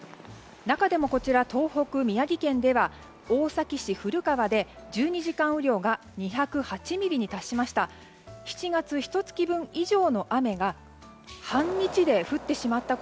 中でも東北の宮城県では大崎市古川で１２時間雨量が２０８ミリに達しました。